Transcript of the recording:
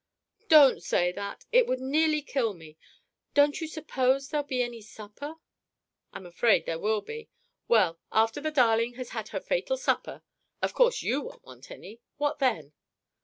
"Don't say that! It would nearly kill me! Don't you suppose there'll be any supper?" "I'm afraid there will be. Well, after the darling has had her fatal supper? (Of course you won't want any!) What then?"